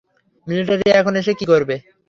Military এখানে এসে কি করবে?